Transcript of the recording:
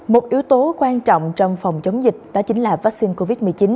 một yếu tố quan trọng trong phòng chống dịch đó chính là vaccine covid một mươi chín